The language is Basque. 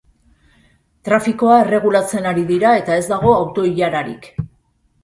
Trafikoa erregulatzen ari dira eta ez dago auto-ilararik.